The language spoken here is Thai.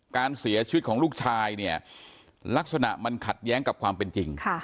การเสียชีวิตของลูกชายเนี่ยลักษณะมันขัดแย้งกับความเป็นจริง